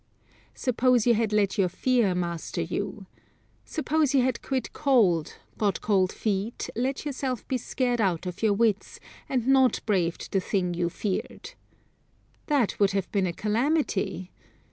Suppose you had let your fear master you. Suppose you had quit cold, got cold feet, let yourself be scared out of your wits, and not braved the thing you feared. That would have been a calamity.